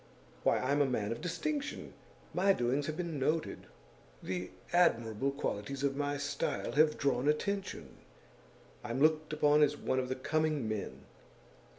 Why, I'm a man of distinction! My doings have been noted; the admirable qualities of my style have drawn attention; I'm looked upon as one of the coming men!